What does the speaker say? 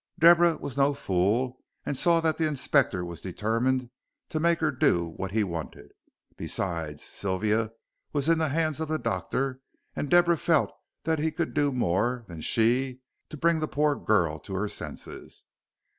Deborah was no fool and saw that the Inspector was determined to make her do what he wanted. Besides, Sylvia was in the hands of the doctor, and Deborah felt that he could do more than she, to bring the poor girl to her senses.